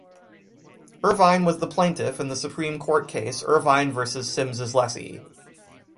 Irvine was the plaintiff in the Supreme Court case "Irvine versus Sims's Lessee".